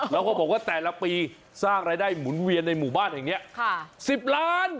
แล้วก็บอกว่าแต่ละปีสร้างรายได้หมุนเวียนในหมู่บ้านแห่งนี้๑๐ล้าน